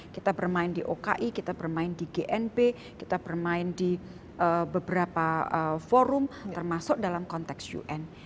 kita bermain di oki kita bermain di gnp kita bermain di beberapa forum termasuk dalam konteks un